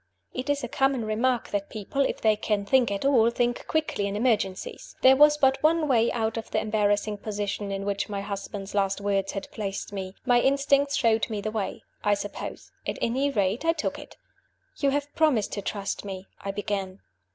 It is a common remark that people, if they can think at all, think quickly in emergencies. There was but one way out of the embarrassing position in which my husband's last words had placed me. My instincts showed me the way, I suppose. At any rate, I took it. "You have promised to trust me," I began.